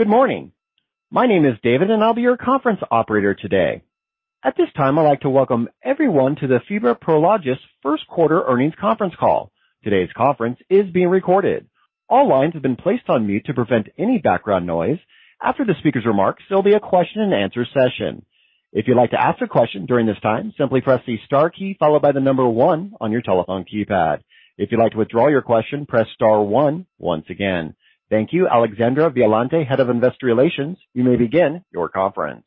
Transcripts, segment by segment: Good morning. My name is David, and I'll be your conference operator today. At this time, I'd like to welcome everyone to the FIBRA Prologis first quarter earnings conference call. Today's conference is being recorded. All lines have been placed on mute to prevent any background noise. After the speaker's remarks, there'll be a question-and-answer session. If you'd like to ask a question during this time, simply press the star key followed by the number one on your telephone keypad. If you'd like to withdraw your question, press star one once again. Thank you, Alexandra Violante, Head of Investor Relations. You may begin your conference.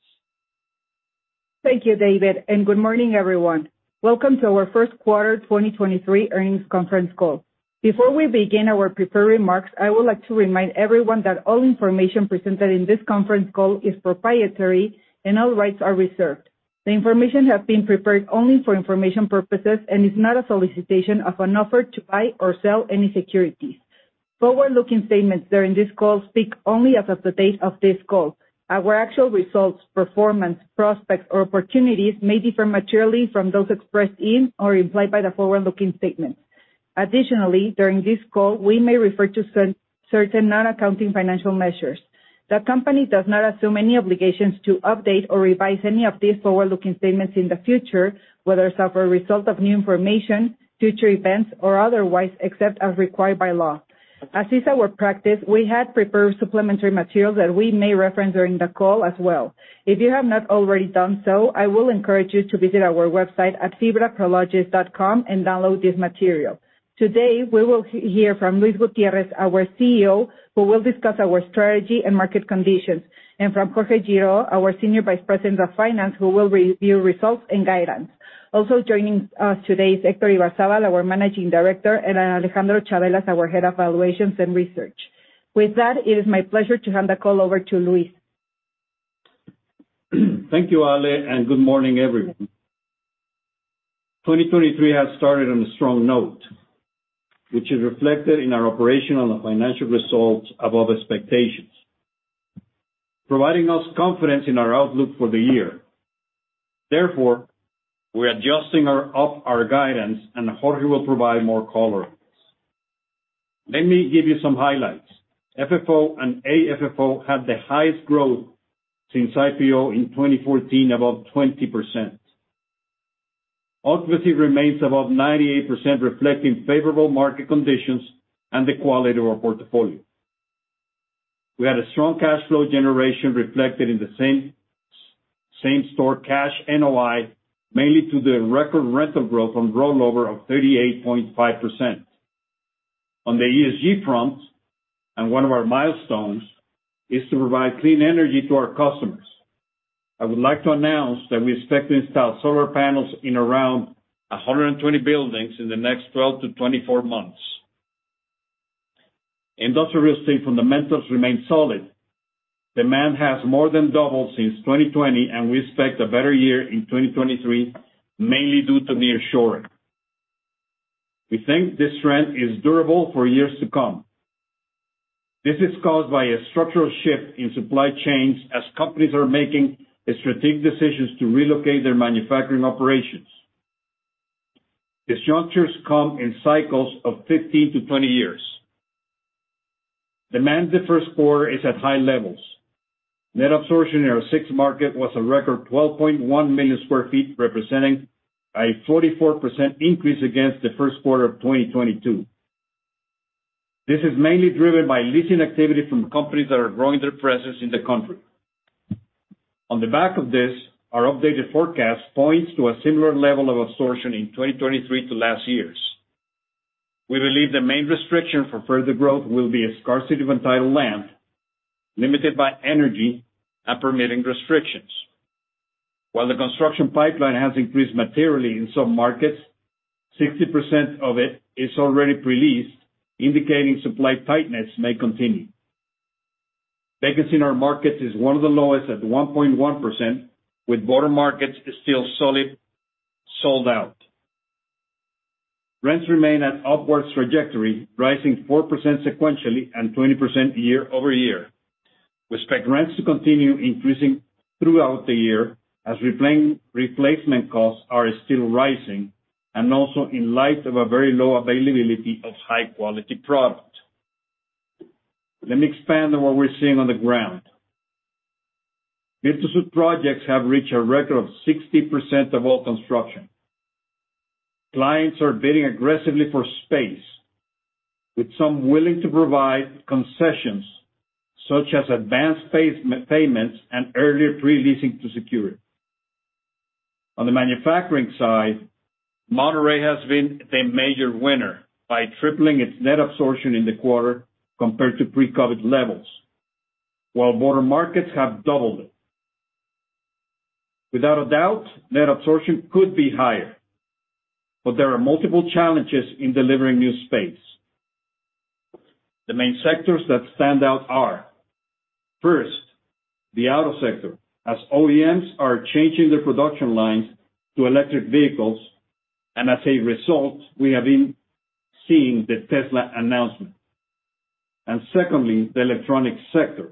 Thank you, David, and good morning, everyone. Welcome to our first quarter 2023 earnings conference call. Before we begin our prepared remarks, I would like to remind everyone that all information presented in this conference call is proprietary, and all rights are reserved. The information has been prepared only for information purposes and is not a solicitation of an offer to buy or sell any securities. Forward-looking statements during this call speak only as of the date of this call. Our actual results, performance, prospects, or opportunities may differ materially from those expressed in or implied by the forward-looking statements. Additionally, during this call, we may refer to certain non-accounting financial measures. The company does not assume any obligations to update or revise any of these forward-looking statements in the future, whether as a result of new information, future events, or otherwise, except as required by law. As is our practice, we have prepared supplementary materials that we may reference during the call as well. If you have not already done so, I will encourage you to visit our website at fibraprologis.com and download this material. Today, we will hear from Luis Gutiérrez, our CEO, who will discuss our strategy and market conditions, and from Jorge Girault, our Senior Vice President of Finance, who will review results and guidance. Also joining us today is Héctor Ibarzábal, our Managing Director, and Alejandro Chavelas, our Head of Valuations and Research. With that, it is my pleasure to hand the call over to Luis. Thank you, Ale, and good morning, everyone. 2023 has started on a strong note, which is reflected in our operational and financial results above expectations, providing us confidence in our outlook for the year. Therefore, we're adjusting our up our guidance, and Jorge will provide more color on this. Let me give you some highlights. FFO and AFFO had the highest growth since IPO in 2014, above 20%. Occupancy remains above 98%, reflecting favorable market conditions and the quality of our portfolio. We had a strong cash flow generation reflected in the same, same-store cash NOI, mainly due to the record rental growth on rollover of 38.5%. On the ESG front, and one of our milestones, is to provide clean energy to our customers. I would like to announce that we expect to install solar panels in around 120 buildings in the next 12-24 months. Industrial real estate fundamentals remain solid. Demand has more than doubled since 2020, and we expect a better year in 2023, mainly due to nearshoring. We think this trend is durable for years to come. This is caused by a structural shift in supply chains as companies are making strategic decisions to relocate their manufacturing operations. Disruptors come in cycles of 15-20 years. Demand in the first quarter is at high levels. Net absorption in our six markets was a record 12.1 million sq ft, representing a 44% increase against the first quarter of 2022. This is mainly driven by leasing activity from companies that are growing their presence in the country. On the back of this, our updated forecast points to a similar level of absorption in 2023 to last year's. We believe the main restriction for further growth will be a scarcity of entitled land, limited by energy and permitting restrictions. While the construction pipeline has increased materially in some markets, 60% of it is already pre-leased, indicating supply tightness may continue. Vacancy in our markets is one of the lowest at 1.1%, with border markets still solid, sold out. Rents remain at upwards trajectory, rising 4% sequentially and 20% year-over-year. We expect rents to continue increasing throughout the year as replacement costs are still rising and also in light of a very low availability of high-quality product. Let me expand on what we're seeing on the ground. Build-to-suit projects have reached a record of 60% of all construction. Clients are bidding aggressively for space, with some willing to provide concessions such as advanced payments and earlier pre-leasing to secure it. On the manufacturing side, Monterrey has been the major winner by tripling its net absorption in the quarter compared to pre-COVID levels, while border markets have doubled it. Without a doubt, net absorption could be higher, but there are multiple challenges in delivering new space. The main sectors that stand out are, first, the auto sector, as OEMs are changing their production lines to electric vehicles, and as a result, we have been seeing the Tesla announcement. And secondly, the electronic sector.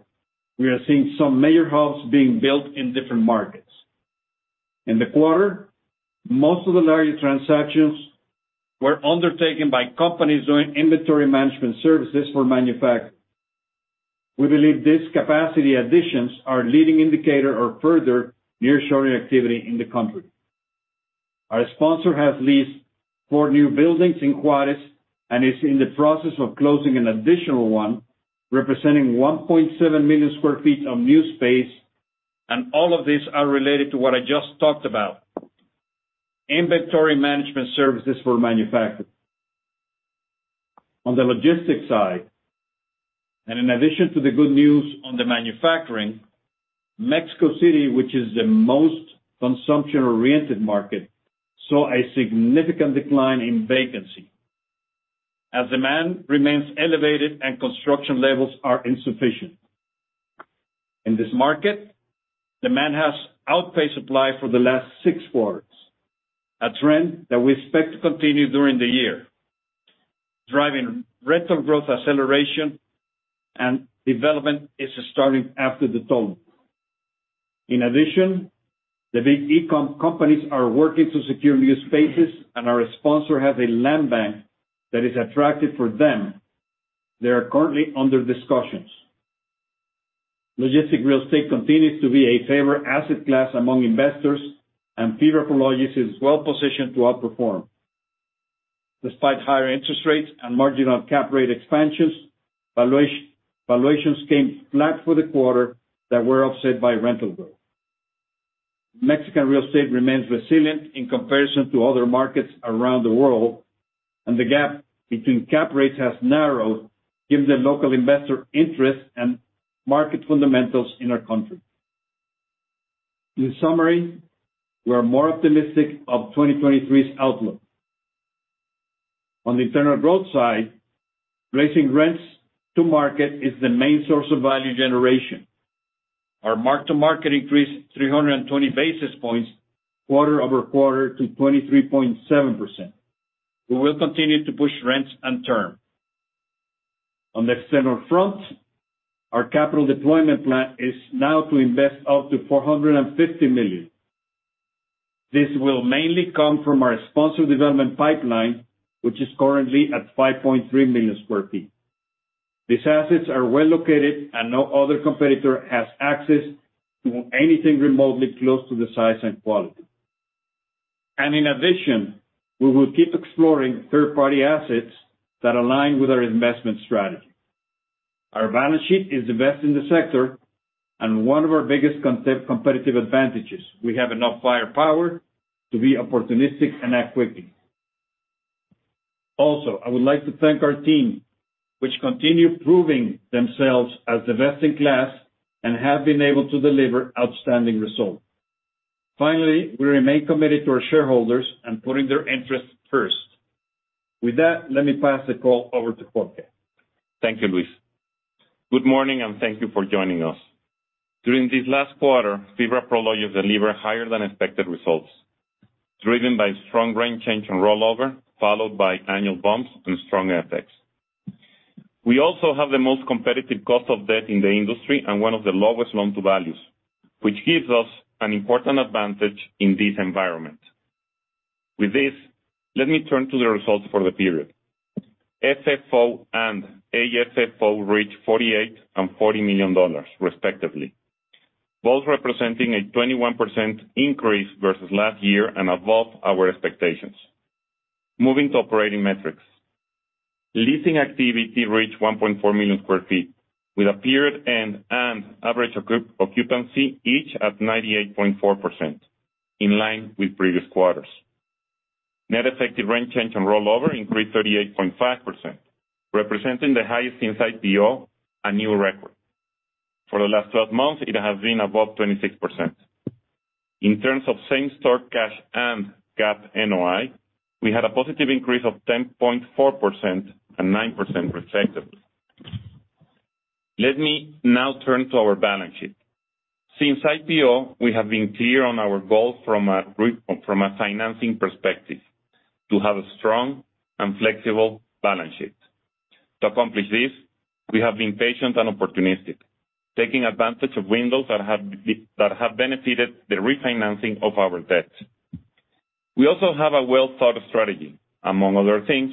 We are seeing some major hubs being built in different markets.... In the quarter, most of the larger transactions were undertaken by companies doing inventory management services for manufacturing. We believe these capacity additions are a leading indicator of further nearshoring activity in the country. Our sponsor has leased 4 new buildings in Juarez, and is in the process of closing an additional 1, representing 1.7 million sq ft of new space, and all of these are related to what I just talked about, inventory management services for manufacturing. On the logistics side, and in addition to the good news on the manufacturing, Mexico City, which is the most consumption-oriented market, saw a significant decline in vacancy, as demand remains elevated and construction levels are insufficient. In this market, demand has outpaced supply for the last 6 quarters, a trend that we expect to continue during the year, driving rental growth acceleration, and development is starting after the turn. In addition, the big e-com companies are working to secure new spaces, and our sponsor has a land bank that is attractive for them. They are currently under discussions. Logistic real estate continues to be a favorite asset class among investors, and FIBRA Prologis is well positioned to outperform. Despite higher interest rates and marginal cap rate expansions, valuations came flat for the quarter that were offset by rental growth. Mexican real estate remains resilient in comparison to other markets around the world, and the gap between cap rates has narrowed, given the local investor interest and market fundamentals in our country. In summary, we are more optimistic of 2023's outlook. On the internal growth side, raising rents to market is the main source of value generation. Our mark-to-market increased 320 basis points, quarter-over-quarter, to 23.7%. We will continue to push rents and term. On the external front, our capital deployment plan is now to invest up to $450 million. This will mainly come from our sponsor development pipeline, which is currently at 5.3 million sq ft. These assets are well located, and no other competitor has access to anything remotely close to the size and quality. And in addition, we will keep exploring third-party assets that align with our investment strategy. Our balance sheet is the best in the sector and one of our biggest competitive advantages. We have enough firepower to be opportunistic and act quickly. Also, I would like to thank our team, which continue proving themselves as the best in class and have been able to deliver outstanding results. Finally, we remain committed to our shareholders and putting their interests first. With that, let me pass the call over to Jorge. Thank you, Luis. Good morning, and thank you for joining us. During this last quarter, FIBRA Prologis delivered higher than expected results, driven by strong rent change on rollover, followed by annual bumps and strong FX. We also have the most competitive cost of debt in the industry and one of the lowest loan-to-values, which gives us an important advantage in this environment. With this, let me turn to the results for the period. FFO and AFFO reached $48 million and $40 million, respectively, both representing a 21% increase versus last year and above our expectations. Moving to operating metrics. Leasing activity reached 1.4 million sq ft, with a period end and average occupancy, each at 98.4%, in line with previous quarters. Net effective rent change on rollover increased 38.5%, representing the highest since IPO, a new record. For the last 12 months, it has been above 26%. In terms of same-store cash and GAAP NOI, we had a positive increase of 10.4% and 9%, respectively. Let me now turn to our balance sheet. Since IPO, we have been clear on our goal from a financing perspective, to have a strong and flexible balance sheet. To accomplish this, we have been patient and opportunistic, taking advantage of windows that have benefited the refinancing of our debt. We also have a well-thought strategy. Among other things,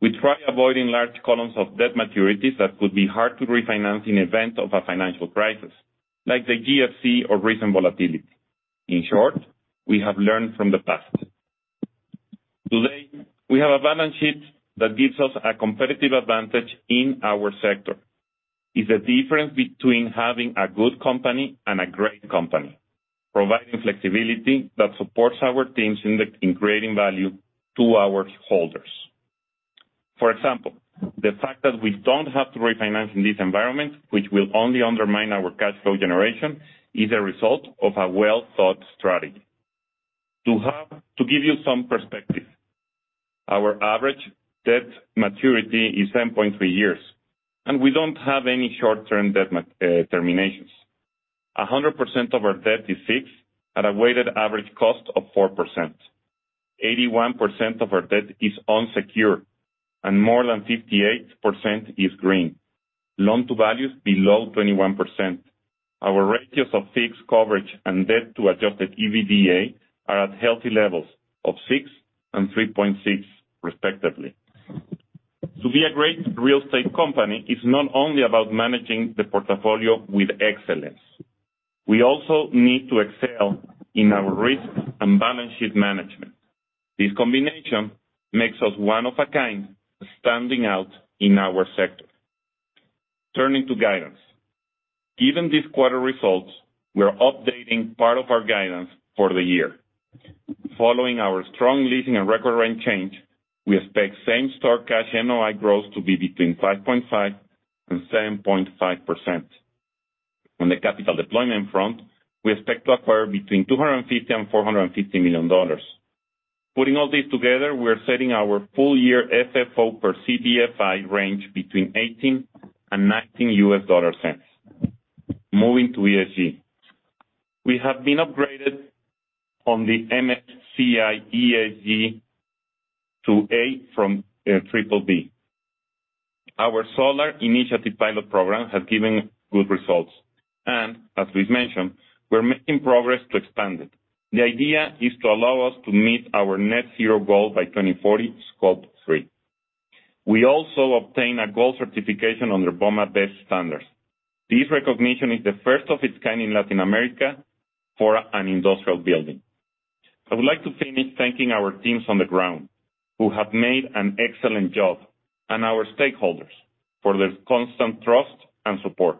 we try avoiding large columns of debt maturities that could be hard to refinance in event of a financial crisis, like the GFC or recent volatility. In short, we have learned from the past. Today, we have a balance sheet that gives us a competitive advantage in our sector. It's the difference between having a good company and a great company, providing flexibility that supports our teams in creating value to our shareholders. For example, the fact that we don't have to refinance in this environment, which will only undermine our cash flow generation, is a result of a well-thought strategy. To give you some perspective, our average debt maturity is 10.3 years, and we don't have any short-term debt maturities. 100% of our debt is fixed at a weighted average cost of 4%.... 81% of our debt is unsecured, and more than 58% is green. Loan-to-value is below 21%. Our ratios of fixed coverage and debt to adjusted EBITDA are at healthy levels of 6 and 3.6 respectively. To be a great real estate company is not only about managing the portfolio with excellence, we also need to excel in our risk and balance sheet management. This combination makes us one of a kind, standing out in our sector. Turning to guidance. Given these quarter results, we are updating part of our guidance for the year. Following our strong leasing and record rent change, we expect same-store cash NOI growth to be between 5.5% and 7.5%. On the capital deployment front, we expect to acquire between $250 million and $450 million. Putting all this together, we are setting our full year FFO per CBFI range between $0.18 and $0.19. Moving to ESG. We have been upgraded on the MSCI ESG to A from BBB. Our solar initiative pilot program has given good results, and as we've mentioned, we're making progress to expand it. The idea is to allow us to meet our net zero goal by 2040, Scope 3. We also obtained a gold certification under BOMA BEST standards. This recognition is the first of its kind in Latin America for an industrial building. I would like to finish thanking our teams on the ground, who have made an excellent job, and our stakeholders for their constant trust and support.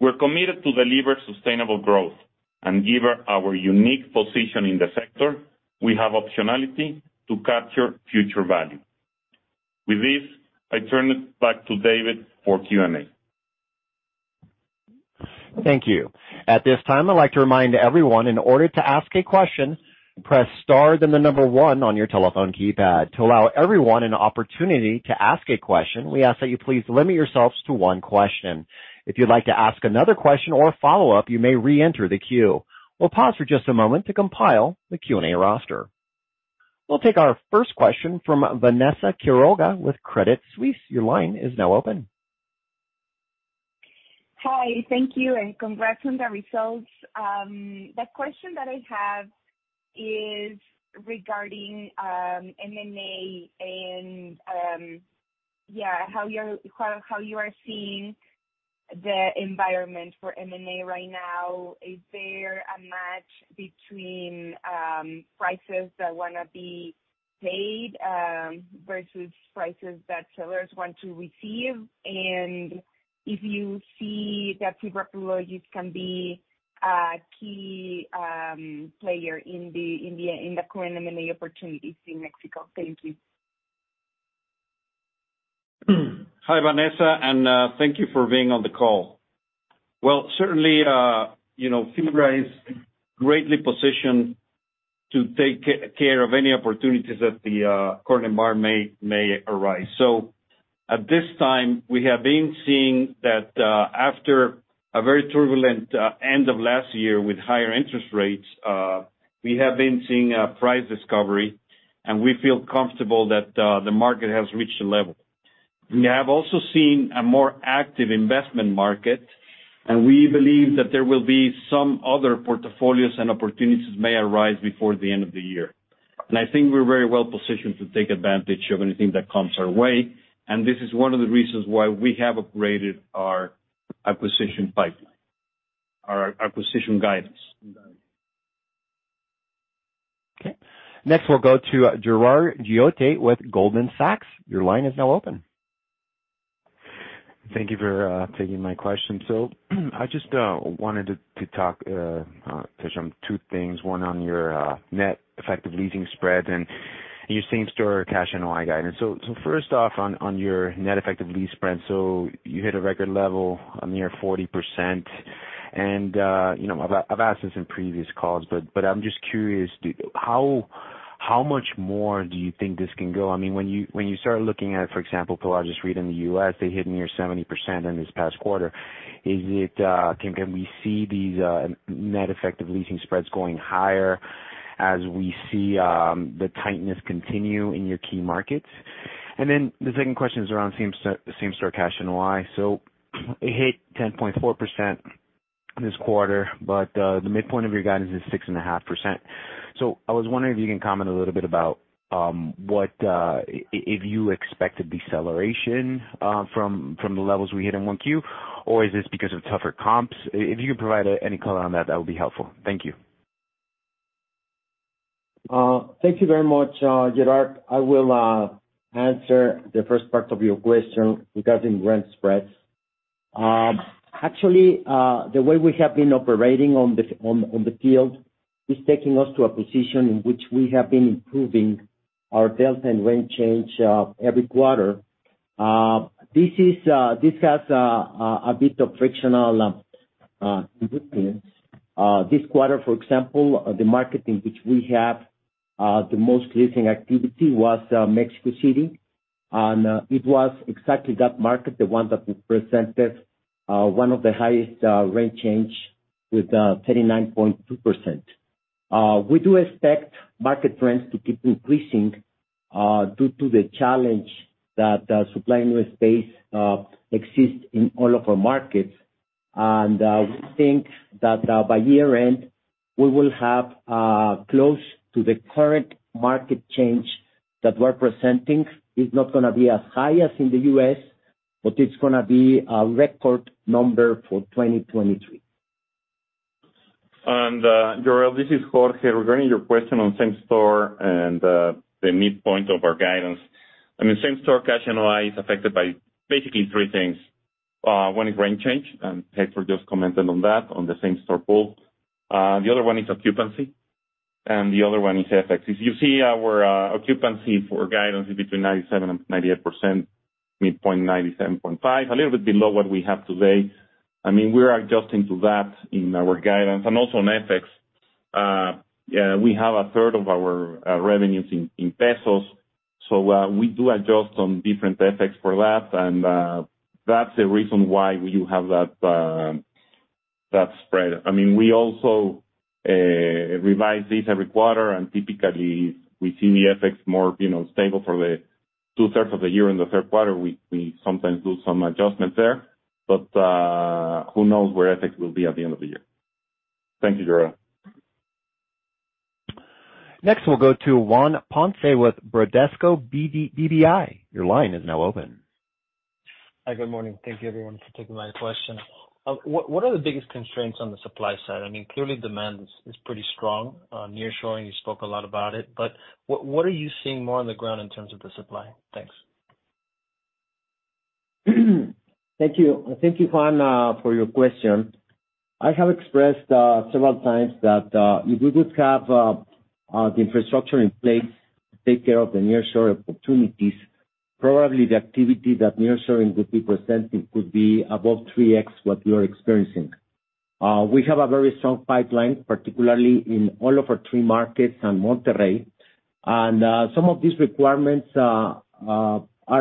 We're committed to deliver sustainable growth, and given our unique position in the sector, we have optionality to capture future value. With this, I turn it back to David for Q&A. Thank you. At this time, I'd like to remind everyone, in order to ask a question, press star then the number one on your telephone keypad. To allow everyone an opportunity to ask a question, we ask that you please limit yourselves to one question. If you'd like to ask another question or follow up, you may reenter the queue. We'll pause for just a moment to compile the Q&A roster. We'll take our first question from Vanessa Quiroga with Credit Suisse. Your line is now open. Hi. Thank you, and congrats on the results. The question that I have is regarding M&A, and yeah, how you are seeing the environment for M&A right now. Is there a match between prices that wanna be paid versus prices that sellers want to receive? And if you see that FIBRA Prologis can be a key player in the current M&A opportunities in Mexico. Thank you. Hi, Vanessa, and thank you for being on the call. Well, certainly, you know, FIBRA is greatly positioned to take care of any opportunities that the current environment may arise. So at this time, we have been seeing that after a very turbulent end of last year with higher interest rates, we have been seeing a price discovery, and we feel comfortable that the market has reached a level. We have also seen a more active investment market, and we believe that there will be some other portfolios and opportunities may arise before the end of the year. And I think we're very well positioned to take advantage of anything that comes our way, and this is one of the reasons why we have upgraded our acquisition pipeline, our acquisition guidance. Okay. Next, we'll go to Jorel Guilloty with Goldman Sachs. Your line is now open. Thank you for taking my question. So I just wanted to touch on two things, one on your net effective leasing spread and your same-store cash NOI guidance. So first off, on your net effective lease spread, so you hit a record level of near 40%. And you know, I've asked this in previous calls, but I'm just curious, how much more do you think this can go? I mean, when you start looking at, for example, the largest REIT in the U.S., they hit near 70% in this past quarter. Is it, can we see these net effective leasing spreads going higher as we see the tightness continue in your key markets? And then the second question is around same-store cash NOI. So it hit 10.4% this quarter, but the midpoint of your guidance is 6.5%. So I was wondering if you can comment a little bit about what if you expect a deceleration from the levels we hit in 1Q, or is this because of tougher comps? If you could provide any color on that, that would be helpful. Thank you. Thank you very much, Jorel. I will answer the first part of your question regarding rent spreads. Actually, the way we have been operating on the field is taking us to a position in which we have been improving our delta and rent change every quarter. This has a bit of frictional improvements. This quarter, for example, the market in which we have the most leasing activity was Mexico City. And it was exactly that market, the one that we presented one of the highest rent change-... with 39.2%. We do expect market trends to keep increasing due to the challenge that supply and space exists in all of our markets. We think that by year-end, we will have close to the current market change that we're presenting. It's not gonna be as high as in the U.S., but it's gonna be a record number for 2023. Jorel, this is Jorge. Regarding your question on same store and the midpoint of our guidance. I mean, same store cash NOI is affected by basically three things. One is rent change, and Héctor just commented on that, on the same store pool. The other one is occupancy, and the other one is FX. If you see our occupancy for guidance is between 97% and 98%, midpoint 97.5%, a little bit below what we have today. I mean, we're adjusting to that in our guidance, and also on FX. Yeah, we have a third of our revenues in pesos, so we do adjust on different FX for that. That's the reason why you have that spread. I mean, we also revise this every quarter, and typically we see the FX more, you know, stable for the two-thirds of the year. In the third quarter, we sometimes do some adjustments there, but who knows where FX will be at the end of the year? Thank you, Jorel. Next, we'll go to Juan Ponce with Bradesco BBI. Your line is now open. Hi, good morning. Thank you, everyone, for taking my question. What are the biggest constraints on the supply side? I mean, clearly demand is pretty strong. Nearshoring, you spoke a lot about it, but what are you seeing more on the ground in terms of the supply? Thanks. Thank you. Thank you, Juan, for your question. I have expressed several times that if we would have the infrastructure in place to take care of the nearshore opportunities, probably the activity that nearshoring would be presenting could be above 3x what we are experiencing. We have a very strong pipeline, particularly in all of our three markets and Monterrey. And some of these requirements are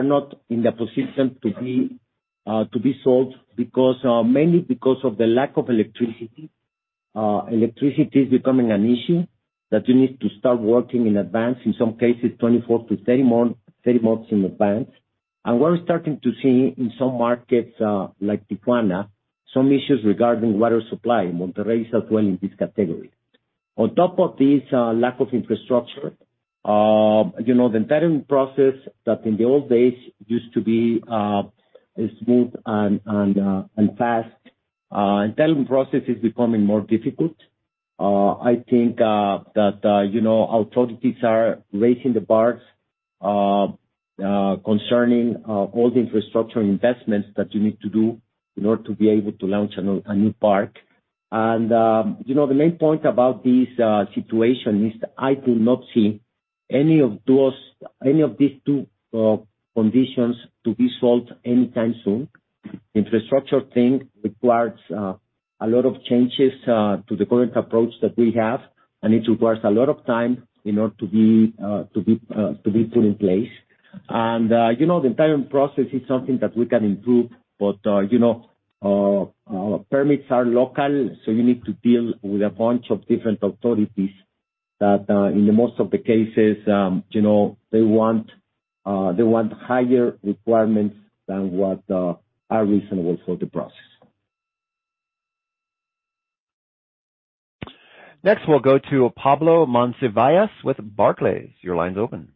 not in the position to be to be solved because mainly because of the lack of electricity. Electricity is becoming an issue that you need to start working in advance, in some cases 24 to 30 more, 30 months in advance. And we're starting to see in some markets, like Tijuana, some issues regarding water supply. Monterrey as well in this category. On top of this, lack of infrastructure, you know, the entire process that in the old days used to be smooth and fast, the entire process is becoming more difficult. I think that, you know, authorities are raising the bars concerning all the infrastructure investments that you need to do in order to be able to launch a new park. And, you know, the main point about this situation is I do not see any of these two conditions to be solved anytime soon. Infrastructure thing requires a lot of changes to the current approach that we have, and it requires a lot of time in order to be put in place. And, you know, the entire process is something that we can improve, but, you know, permits are local, so you need to deal with a bunch of different authorities that, in the most of the cases, you know, they want, they want higher requirements than what are reasonable for the process. Next, we'll go to Pablo Monsivais with Barclays. Your line's open.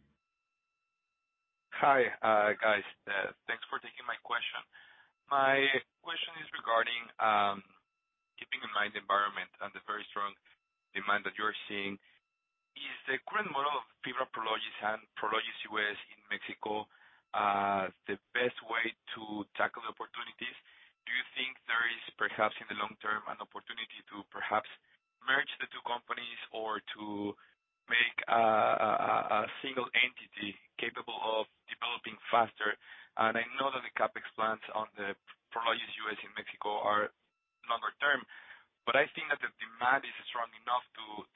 Hi, guys. Thanks for taking my question. My question is regarding, keeping in mind the environment and the very strong demand that you're seeing, is the current model of FIBRA Prologis and Prologis U.S. in Mexico the best way to tackle the opportunities? Do you think there is, perhaps, in the long term, an opportunity to perhaps merge the two companies or to make a single entity capable of developing faster? And I know that the CapEx plans on the Prologis U.S. and Mexico are longer term, but I think that the demand is strong enough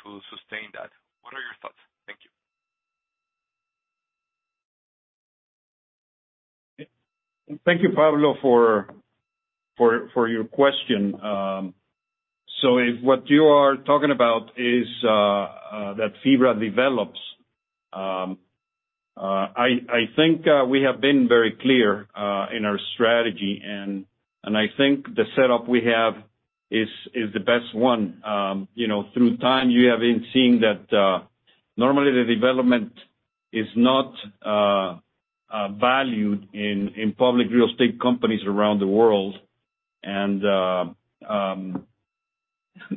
to sustain that. What are your thoughts? Thank you. Thank you, Pablo, for your question. So if what you are talking about is that FIBRA develops, I think we have been very clear in our strategy, and I think the setup we have is the best one. You know, through time, you have been seeing that normally the development is not valued in public real estate companies around the world.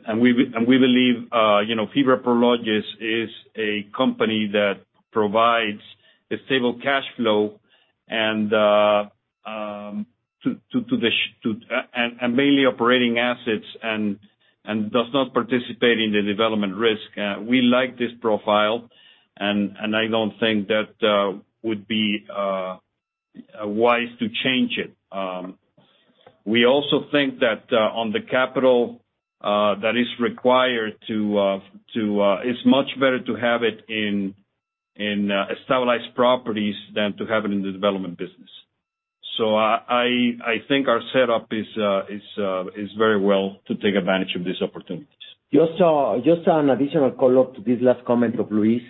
And we believe, you know, FIBRA Prologis is a company that provides a stable cash flow and mainly operating assets and does not participate in the development risk. We like this profile, and I don't think that would be wise to change it. We also think that on the capital that is required to... It's much better to have it in a stabilized properties than to have it in the development business.... So, I think our setup is very well to take advantage of these opportunities. Just an additional follow-up to this last comment of Luis.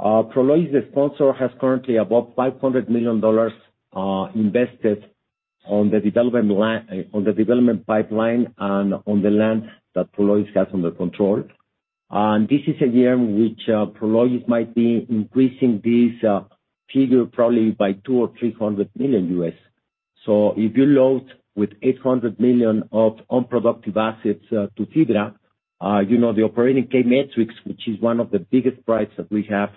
Prologis, the sponsor, has currently about $500 million invested on the development land, on the development pipeline and on the land that Prologis has under control. And this is a year in which Prologis might be increasing this figure probably by $200 million-$300 million. So if you load with $800 million of unproductive assets to FIBRA, you know, the operating key metrics, which is one of the biggest price that we have,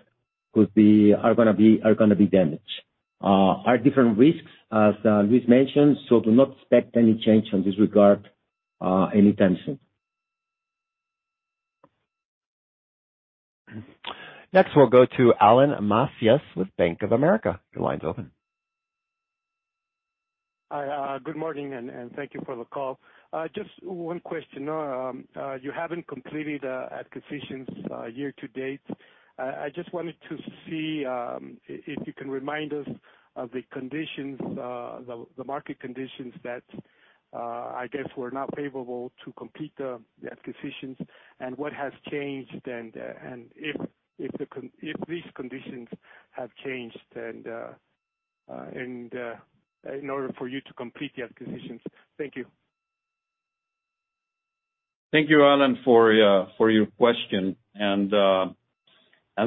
could be, are gonna be, are gonna be damaged. Are different risks, as Luis mentioned, so do not expect any change in this regard any time soon. Next, we'll go to Alan Macias with Bank of America. Your line's open. Hi, good morning, and thank you for the call. Just one question. You haven't completed acquisitions year to date. I just wanted to see if you can remind us of the conditions, the market conditions that I guess were not favorable to complete the acquisitions, and what has changed, and if these conditions have changed, and in order for you to complete the acquisitions. Thank you. Thank you, Alan, for your question. And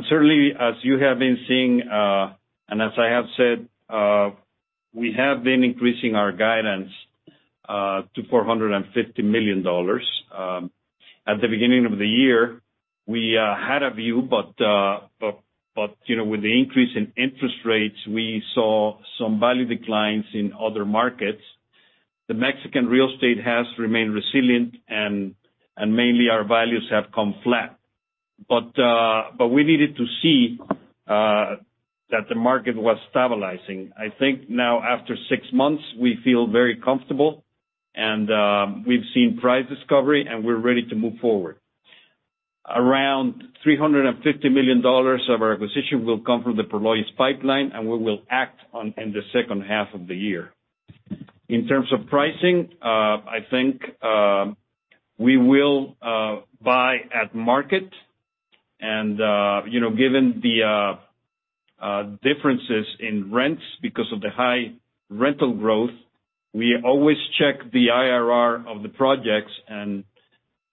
certainly, as you have been seeing, and as I have said, we have been increasing our guidance to $450 million. At the beginning of the year, we had a view, but, you know, with the increase in interest rates, we saw some value declines in other markets. The Mexican real estate has remained resilient, and mainly our values have come flat, but we needed to see that the market was stabilizing. I think now after six months, we feel very comfortable, and we've seen price discovery, and we're ready to move forward. Around $350 million of our acquisition will come from the Prologis pipeline, and we will act on in the second half of the year. In terms of pricing, I think we will buy at market. You know, given the differences in rents because of the high rental growth, we always check the IRR of the projects, and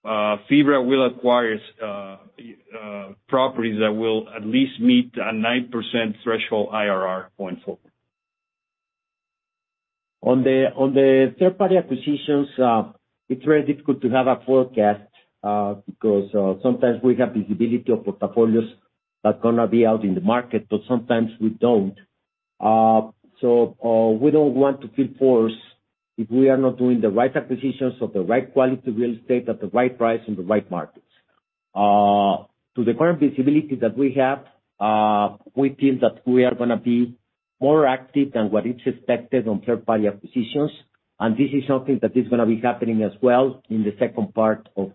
FIBRA will acquire properties that will at least meet a 9% threshold IRR going forward. On the third-party acquisitions, it's very difficult to have a forecast, because sometimes we have visibility of portfolios that's gonna be out in the market, but sometimes we don't. So, we don't want to feel forced if we are not doing the right acquisitions of the right quality real estate at the right price in the right markets. To the current visibility that we have, we feel that we are gonna be more active than what is expected on third-party acquisitions, and this is something that is gonna be happening as well in the second part of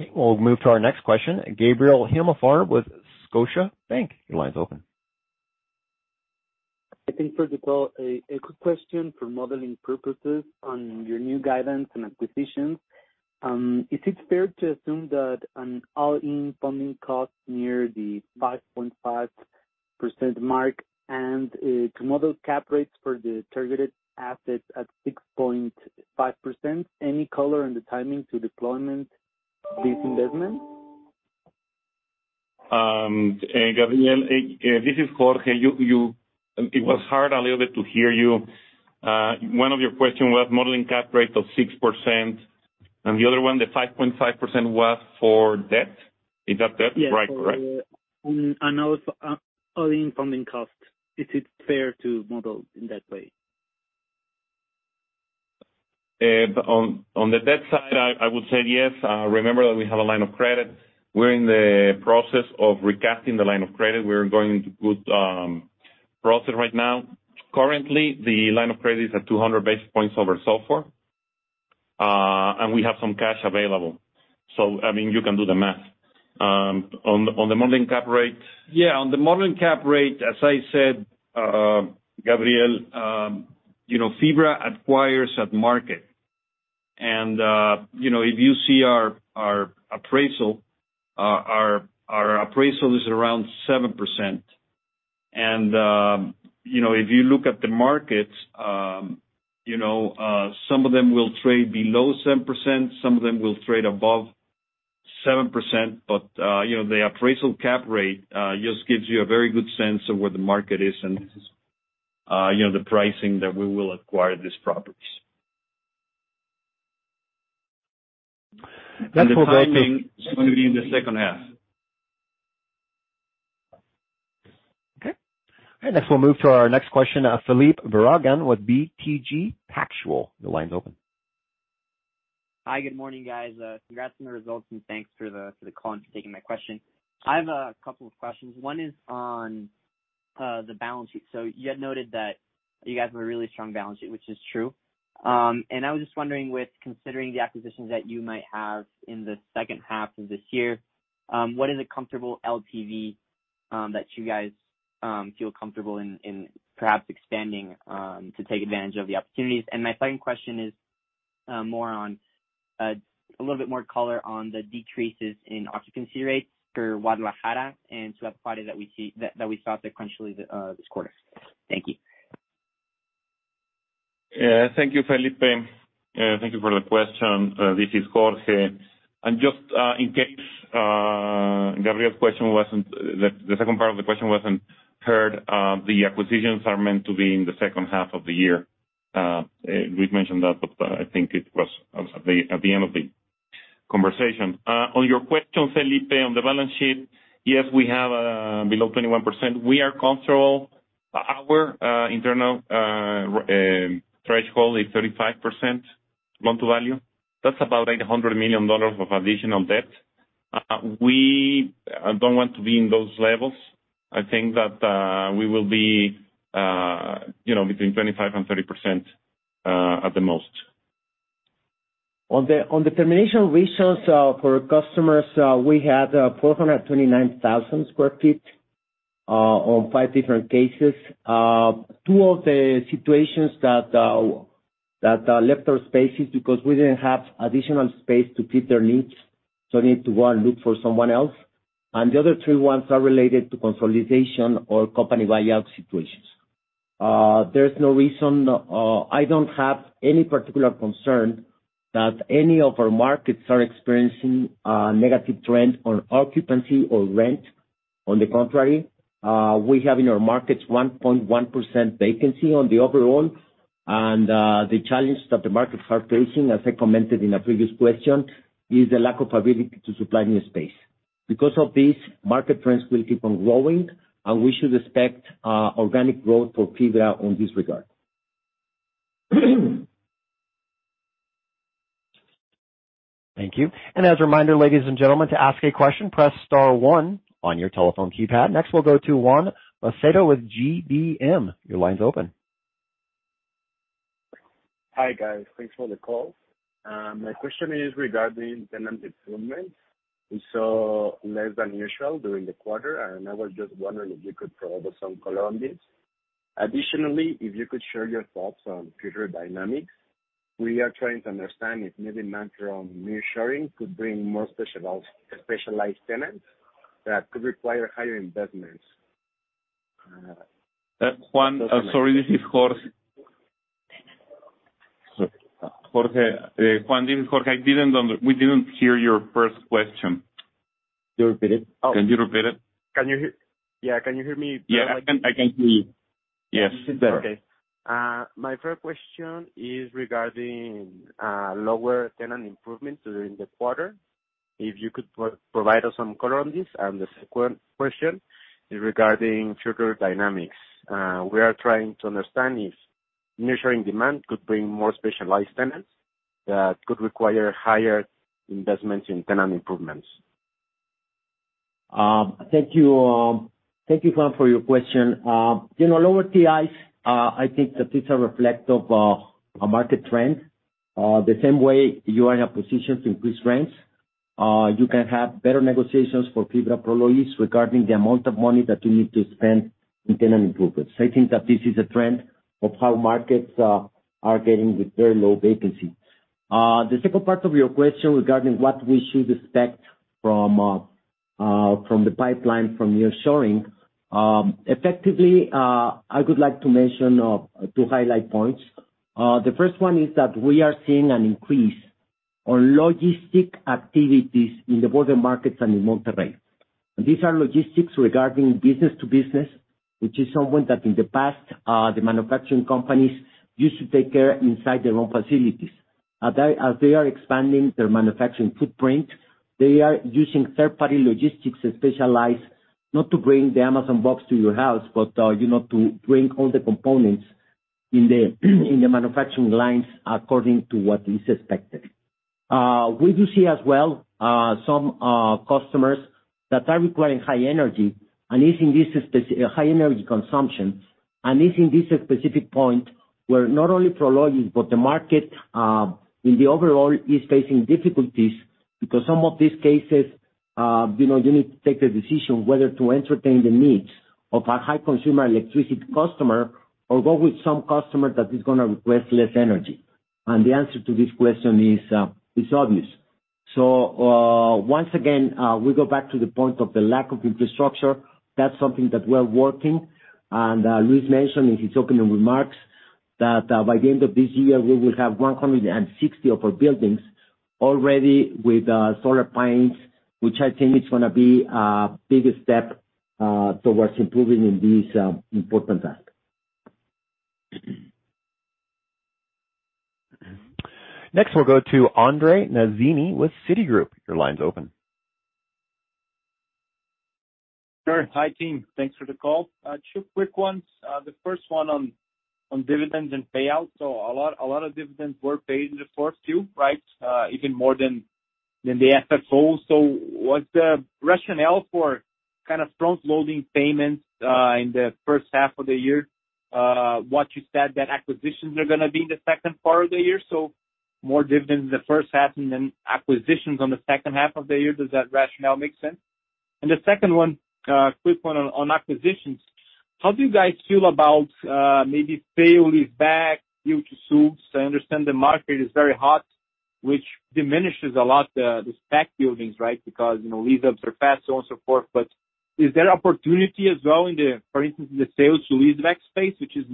2022. Okay, we'll move to our next question, Gabriel Himelfarb with Scotiabank. Your line's open. Thank you for the call. A quick question for modeling purposes on your new guidance and acquisitions. Is it fair to assume that an all-in funding cost near the 5.5% mark and to model cap rates for the targeted assets at 6.5%? Any color on the timing to deployment this investment? Gabriel, this is Jorge. It was hard a little bit to hear you. One of your question was modeling cap rate of 6%, and the other one, the 5.5%, was for debt. Is that debt? Yes. Right. Correct. And also, all-in funding cost. Is it fair to model in that way? On the debt side, I would say yes. Remember that we have a line of credit. We're in the process of recasting the line of credit. We're going into good process right now. Currently, the line of credit is at 200 basis points over SOFR. And we have some cash available, so, I mean, you can do the math. On the modeling cap rate... Yeah, on the modeling cap rate, as I said, Gabriel, you know, FIBRA acquires at market. And, you know, if you see our appraisal, our appraisal is around 7%. You know, if you look at the markets, you know, some of them will trade below 7%, some of them will trade above 7%, but, you know, the appraisal cap rate just gives you a very good sense of where the market is and, you know, the pricing that we will acquire these properties. Next we'll go- And the timing is going to be in the second half. Okay. Next, we'll move to our next question, Felipe Barragán with BTG Pactual. Your line's open. Hi, good morning, guys. Congrats on the results, and thanks for the, for the call and for taking my question. I have a couple of questions. One is on the balance sheet. So you had noted that you guys have a really strong balance sheet, which is true. And I was just wondering, with considering the acquisitions that you might have in the second half of this year, what is a comfortable LTV that you guys feel comfortable in, in perhaps expanding to take advantage of the opportunities? And my second question is more on a little bit more color on the decreases in occupancy rates for Guadalajara and Tijuana, that we see, that, that we saw sequentially this quarter. Thank you. Thank you, Felipe. Thank you for the question. This is Jorge. And just in case Gabriel's question wasn't, the second part of the question wasn't heard, the acquisitions are meant to be in the second half of the year. We've mentioned that, but I think it was at the end of the conversation. On your question, Felipe, on the balance sheet, yes, we have below 21%. We are comfortable. Our internal threshold is 35% loan-to-value. That's about $800 million of additional debt. We don't want to be in those levels. I think that we will be, you know, between 25%-30%, at the most. On the termination ratios for customers, we had 429,000 sq ft on five different cases. Two of the situations that left our spaces because we didn't have additional space to fit their needs, so need to go and look for someone else. And the other three ones are related to consolidation or company buyout situations. There's no reason, I don't have any particular concern that any of our markets are experiencing a negative trend on occupancy or rent. On the contrary, we have in our markets 1.1% vacancy overall. And the challenges that the markets are facing, as I commented in a previous question, is the lack of ability to supply new space. Because of this, market trends will keep on growing, and we should expect organic growth for FIBRA in this regard. Thank you. And as a reminder, ladies and gentlemen, to ask a question, press star one on your telephone keypad. Next, we'll go to Juan Macedo with GBM. Your line's open. Hi, guys. Thanks for the call. My question is regarding tenant improvements. We saw less than usual during the quarter, and I was just wondering if you could provide us some color on this. Additionally, if you could share your thoughts on future dynamics. We are trying to understand if maybe mantra on nearshoring could bring more specialized tenants that could require higher investments Juan, sorry, this is Jorge. Jorge. Juan, this is Jorge. I didn't under-- we didn't hear your first question. Can you repeat it? Can you repeat it? Can you hear... Yeah, can you hear me now? Yeah, I can, I can hear you. Yes, better. Okay. My first question is regarding lower tenant improvements during the quarter. If you could provide us some color on this. The second question is regarding future dynamics. We are trying to understand if measuring demand could bring more specialized tenants that could require higher investments in tenant improvements. Thank you, thank you, Juan, for your question. You know, lower TIs, I think that it's a reflection of a market trend. The same way you are in a position to increase rents, you can have better negotiations for FIBRA Prologis regarding the amount of money that you need to spend in tenant improvements. I think that this is a trend of how markets are getting with very low vacancy. The second part of your question regarding what we should expect from the pipeline, from nearshoring, effectively, I would like to mention two highlight points. The first one is that we are seeing an increase in logistics activities in the border markets and in Monterrey. These are logistics regarding business to business, which is something that in the past, the manufacturing companies used to take care inside their own facilities. As they, as they are expanding their manufacturing footprint, they are using third-party logistics specialized, not to bring the Amazon box to your house, but, you know, to bring all the components in the, in the manufacturing lines according to what is expected. We do see as well, some customers that are requiring high energy and is in this spec high energy consumption, and is in this specific point, where not only Prologis, but the market in the overall is facing difficulties. Because some of these cases, you know, you need to take the decision whether to entertain the needs of a high consumer electricity customer or go with some customer that is gonna request less energy. And the answer to this question is, is obvious. So, once again, we go back to the point of the lack of infrastructure. That's something that we are working. And, Luis mentioned in his opening remarks that, by the end of this year, we will have 160 of our buildings already with, solar panels, which I think is gonna be a big step, towards improving in this, important aspect. Next, we'll go to André Mazini with Citigroup. Your line's open. Sure. Hi, team. Thanks for the call. Two quick ones. The first one on dividends and payouts. So a lot of dividends were paid in the first two, right? Even more than-... Then the FFO. So what's the rationale for kind of front-loading payments in the first half of the year? What you said, that acquisitions are gonna be in the second part of the year, so more dividends in the first half, and then acquisitions in the second half of the year. Does that rationale make sense? And the second one, quick one on acquisitions: How do you guys feel about maybe sale-leaseback build-to-suits? I understand the market is very hot, which diminishes a lot the spec buildings, right? Because, you know, lease-ups are fast, so on, so forth. But is there opportunity as well in the, for instance, the sale-leaseback space, which is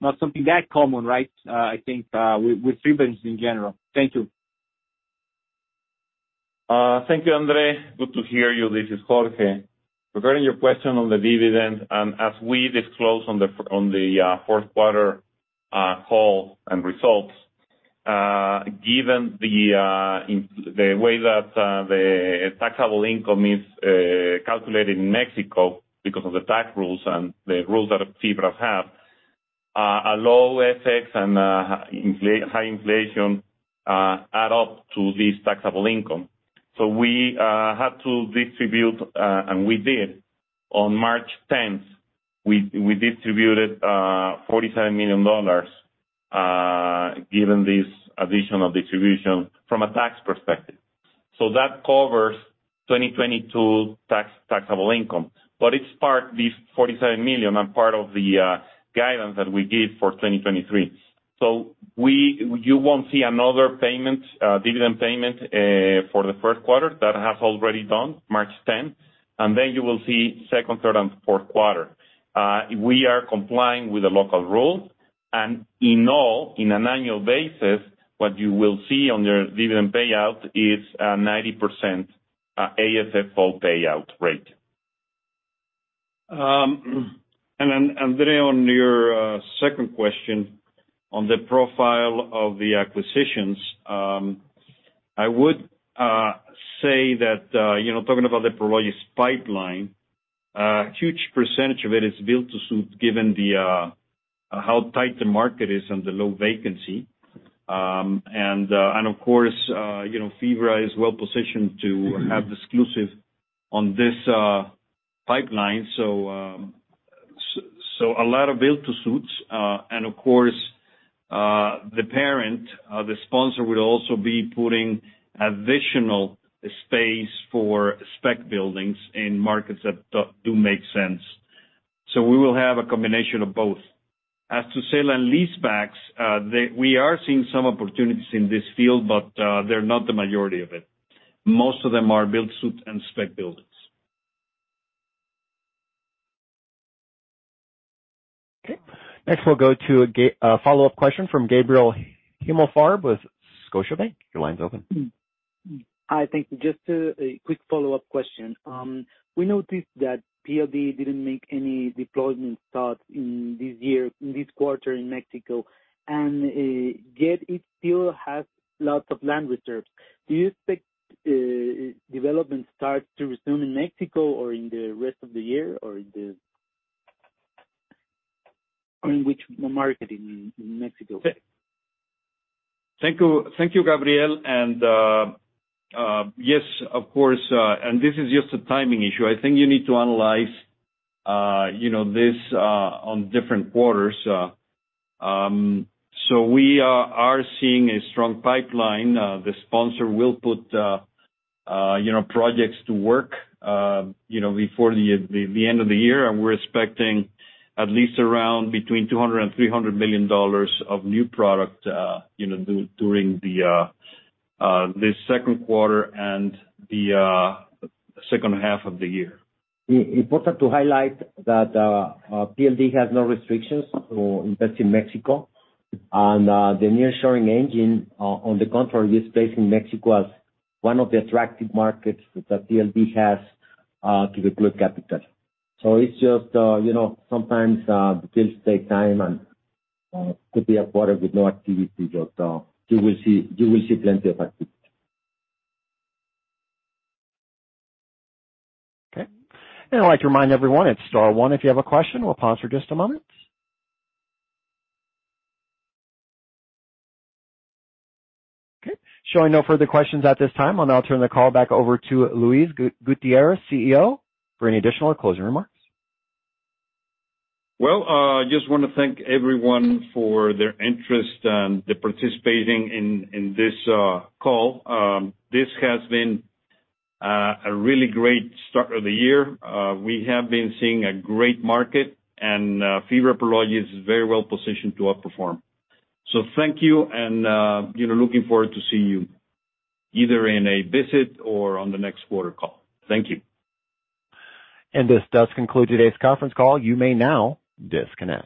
not something that common, right, I think with FIBRA in general? Thank you. Thank you, André. Good to hear you. This is Jorge. Regarding your question on the dividend, as we disclose on the fourth quarter call and results, given the way that the taxable income is calculated in Mexico because of the tax rules and the rules that FIBRA have, a low FX and high inflation add up to this taxable income. So we had to distribute, and we did, on March tenth, we distributed $47 million, given this additional distribution from a tax perspective. So that covers 2022 taxable income, but it's part, this $47 million, and part of the guidance that we gave for 2023. So you won't see another payment, dividend payment, for the first quarter. That has already done March tenth, and then you will see second, third, and fourth quarter. We are complying with the local rule, and in all, on an annual basis, what you will see on your dividend payout is 90% AFFO payout rate. And then, André, on your second question, on the profile of the acquisitions, I would say that, you know, talking about the Prologis pipeline, a huge percentage of it is built to suit, given how tight the market is and the low vacancy. And of course, you know, FIBRA is well positioned to have exclusive on this pipeline. So a lot of build to suits. Of course, the parent, the sponsor will also be putting additional space for spec buildings in markets that do make sense. So we will have a combination of both. As to sale-leasebacks, they, we are seeing some opportunities in this field, but, they're not the majority of it. Most of them are build-to-suits and spec buildings. Okay. Next, we'll go to a follow-up question from Gabriel Himelfarb with Scotiabank. Your line's open. Hi, thank you. Just a quick follow-up question. We noticed that PLD didn't make any development start in this year, in this quarter in Mexico, and yet it still has lots of land reserves. Do you expect development start to resume in Mexico or in the rest of the year, or in the ... In which market in Mexico? Thank you. Thank you, Gabriel. Yes, of course, and this is just a timing issue. I think you need to analyze, you know, this, on different quarters. So we are seeing a strong pipeline. The sponsor will put, you know, projects to work, you know, before the end of the year. And we're expecting at least around between $200 million and $300 million of new product, you know, during the second quarter and the second half of the year. Important to highlight that, PLD has no restrictions for investing in Mexico. The nearshoring engine, on the contrary, is placing Mexico as one of the attractive markets that the PLD has to deploy capital. It's just, you know, sometimes deals take time and could be a quarter with no activity. You will see, you will see plenty of activity. Okay. I'd like to remind everyone, it's star one if you have a question. We'll pause for just a moment. Okay. Showing no further questions at this time. I'll now turn the call back over to Luis Gutiérrez, CEO, for any additional or closing remarks. Well, I just wanna thank everyone for their interest and the participating in this call. This has been a really great start of the year. We have been seeing a great market, and FIBRA Prologis is very well positioned to outperform. So thank you, and you know, looking forward to seeing you either in a visit or on the next quarter call. Thank you. This does conclude today's conference call. You may now disconnect.